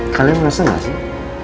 kalian merasa gak sih